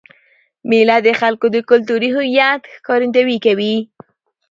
مېله د خلکو د کلتوري هویت ښکارندويي کوي.